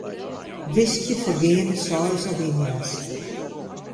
Wiskje foargeande seis alinea's.